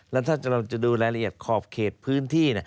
แล้วถ้าเราจะดูรายละเอียดขอบเขตพื้นที่